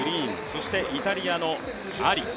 そして、イタリアのアリ。